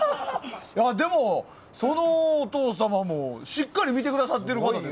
でも、そのお父様もしっかり見てくださってるんでしょ。